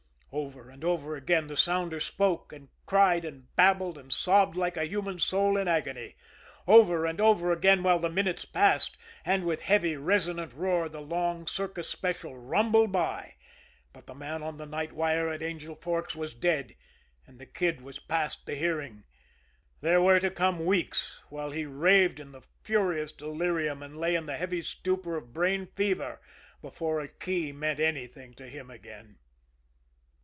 Over and over again the sounder spoke and cried and babbled and sobbed like a human soul in agony; over and over again while the minutes passed, and with heavy, resonant roar the long Circus Special rumbled by but the man on the night wire at Angel Forks was dead; and the Kid was past the hearing there were to come weeks, while he raved in the furious delirium and lay in the heavy stupor of brain fever, before a key meant anything to him again.